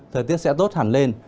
thời tiết sẽ tốt hẳn lên